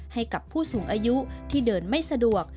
ให้กับผู้สูงอายุที่เดินไม่สะดวก